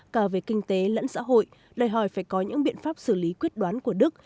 cả về kinh tế lẫn xã hội đòi hỏi phải có những biện pháp xử lý quyết đoán của đức